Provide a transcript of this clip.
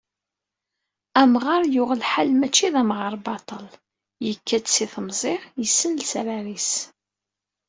Amɣar yuɣ lḥal mačči d amɣar baṭel, yekka-d si temẓi, yessen lesrar-is.